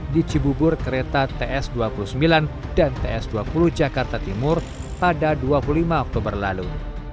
di cibubur kereta ts dua puluh sembilan dan ts dua puluh jakarta timur pada dua puluh lima oktober lalu